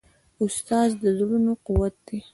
استاد د زړونو قوت دی.